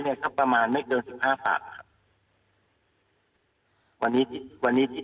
เนี้ยครับประมาณไม่เกินสิบห้าฝากครับวันนี้วันนี้ที่